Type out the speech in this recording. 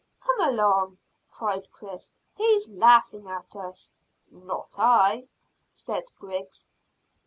"Come along," cried Chris; "he's laughing at us." "Not I," said Griggs.